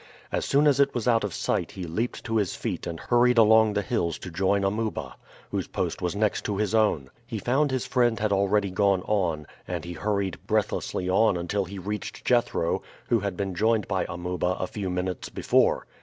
As soon as it was out of sight he leaped to his feet and hurried along the hills to join Amuba, whose post was next to his own. He found his friend had already gone on, and he hurried breathlessly on until he reached Jethro, who had been joined by Amuba a few minutes before.